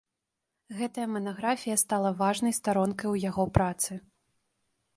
Гэтая манаграфія стала важнай старонкай у яго працы.